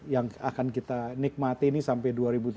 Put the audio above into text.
yang akan kita nikmati ini sampai dua ribu tiga puluh